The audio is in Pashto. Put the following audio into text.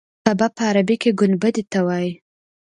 قبه په عربي کې ګنبدې ته وایي.